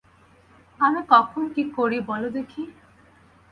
আমি কখন কী করি বলো দেখি।